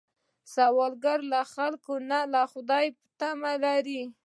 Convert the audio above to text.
سوالګر له خلکو نه، له خدایه تمه لري